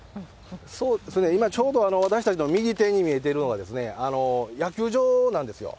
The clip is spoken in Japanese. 今ちょうど、私たちの右手に見えているのが、野球場なんですよ。